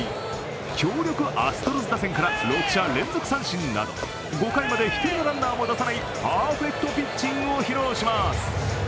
強力アストロズ打線から６者連続三振など５回まで１人のランナーも出さないパーフェクトピッチングを披露します。